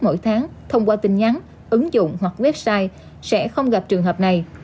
mỗi tháng thông qua tin nhắn ứng dụng hoặc website sẽ không gặp trường hợp này